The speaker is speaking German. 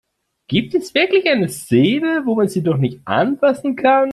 Gibt es wirklich eine Seele, wo man sie doch nicht anfassen kann?